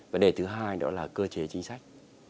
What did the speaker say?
vấn đề thứ hai đó là cơ chế chính sách